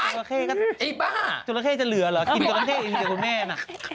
จุรเกษก็จุรเกษจะเหลือเหรอกินจุรเกษอีกเดียวแม่นอ่ะ